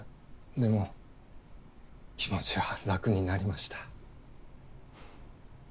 でも気持ちは楽になりました。